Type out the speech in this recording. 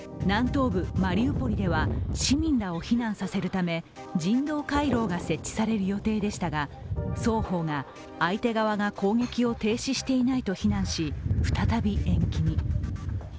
南東部マリウポリでは市民らを避難させるため人道回廊が設置される予定でしたが双方が相手側が攻撃を停止していないと非難し、再び延期に。